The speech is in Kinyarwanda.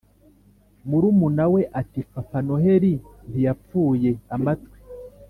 murumuna we ati"papa noheli ntiyapfuye amatwi